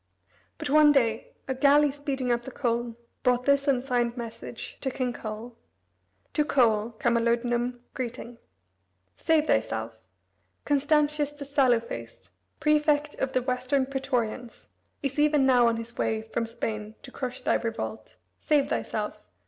But one day a galley speeding up the Colne brought this unsigned message to King Coel: "To Coel, Camalodunum, Greeting: "Save thyself. Constantius the sallow faced, prefect of the Western praetorians, is even now on his way from Spain to crush thy revolt. Save thyself.